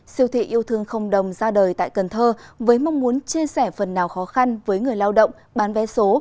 siêu thị yêu thương không đồng ra đời tại cần thơ với mong muốn chia sẻ phần nào khó khăn với người lao động bán vé số